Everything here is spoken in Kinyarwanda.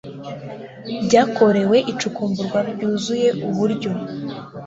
byakorewe icukumburwa ryuzuye uburyo